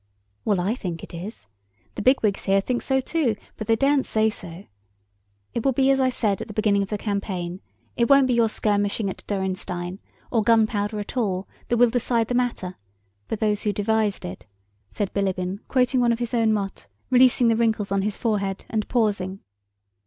"Well, I think it is. The bigwigs here think so too, but they daren't say so. It will be as I said at the beginning of the campaign, it won't be your skirmishing at Dürrenstein, or gunpowder at all, that will decide the matter, but those who devised it," said Bilíbin quoting one of his own mots, releasing the wrinkles on his forehead, and pausing.